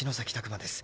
馬です。